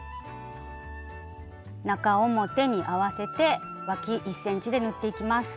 中表に合わせてわき１ｃｍで縫っていきます。